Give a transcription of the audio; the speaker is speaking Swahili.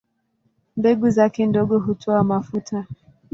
Mbegu zake ndogo hutoa mafuta.